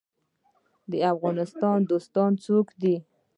د افغانستان دوستان څوک دي؟